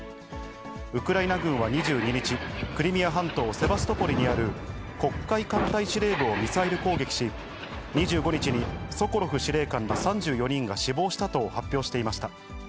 ウクライナ軍は２２日、クリミア半島セバストポリにある黒海艦隊司令部をミサイル攻撃し、２５日にソコロフ司令官ら３４人が死亡したと発表していました。